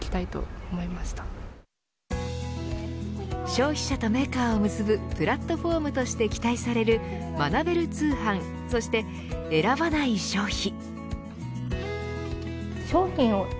消費者とメーカーを結ぶプラットフォームとして期待される学べる通販そして選ばない消費。